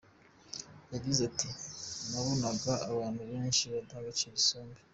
Yagize ati “Nabonaga abantu benshi badaha agaciro isombe.